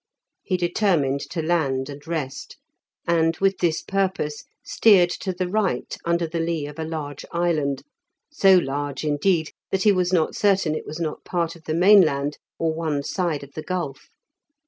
He determined to land and rest, and with this purpose steered to the right under the lee of a large island, so large, indeed, that he was not certain it was not part of the mainland or one side of the gulf.